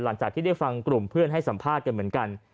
หลังจากที่ได้ฟังกลุ่มเพื่อนให้สัมภาษณ์กันเหมือนกัน